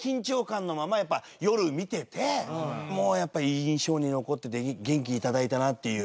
もうやっぱ印象に残ってて元気頂いたなっていう。